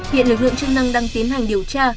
hiện lực lượng chức năng đang tiến hành điều tra